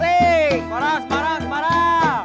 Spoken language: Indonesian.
semarang semarang semarang